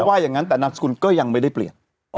ว่าอย่างนั้นแต่นามสกุลก็ยังไม่ได้เปลี่ยน